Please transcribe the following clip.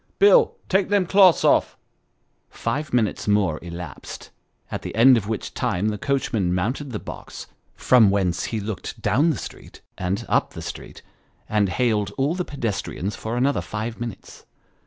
" Bill, take them cloths off." Five minutes more elapsed : at the end of which time the coachman mounted the box, from whence he looked down the street, and up the street, and hailed all the pedestrians for another five minutes.